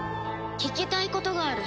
聞きたいことがある。